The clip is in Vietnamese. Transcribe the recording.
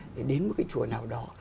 để đến một cái chùa nào đó